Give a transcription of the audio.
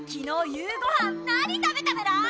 夕ごはん何食べたメラ？